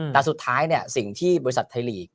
แต่สุดท้ายสิ่งที่บริษัทไทยลีก